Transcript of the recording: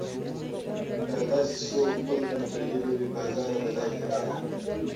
تاسو خپلې تفریحي لوبې په ازاده فضا کې ترسره کړئ.